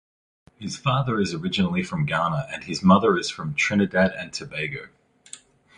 His father is originally from Ghana and his mother is from Trinidad and Tobago.